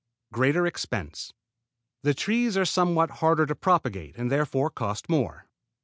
Greater expense. The trees are somewhat harder to propagate, and therefore cost more.